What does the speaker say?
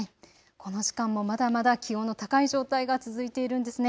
この時間もまだまだ気温の高い状態が続いているんですね。